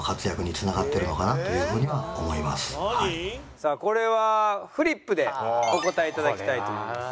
それがやっぱりさあこれはフリップでお答え頂きたいと思います。